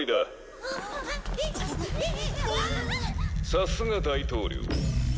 「さすが大統領」